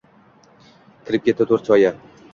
Kirib ketdi to’rt soya.